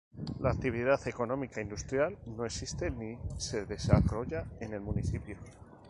La actividad económica industrial no existe ni se desarrolla en el municipio.